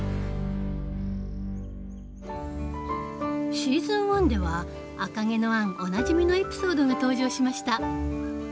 シーズン１では「赤毛のアン」おなじみのエピソードが登場しました。